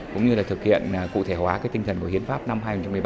cũng như thực hiện cụ thể hóa tinh thần của hiến pháp năm hai nghìn một mươi ba